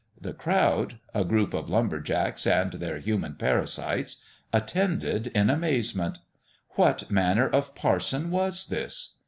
The crowd a group of lumber jacks and their human parasites attended in amaze ment. What manner of parson was this